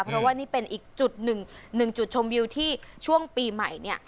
เพราะว่านี่เป็นอีกจุดหนึ่งจุดชมวิวที่ช่วงปีใหม่เนี่ย